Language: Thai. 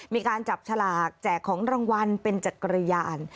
มีการจับฉลากแจกของรางวัลเป็นจักรยาน